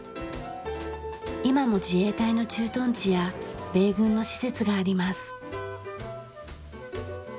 今も自衛隊の駐屯地や米軍の施設があります。